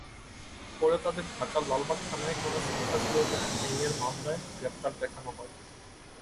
পরে তাঁদের ঢাকার লালবাগ থানায় করা সন্ত্রাসবিরোধী আইনের মামলায় গ্রেপ্তার দেখানো হয়।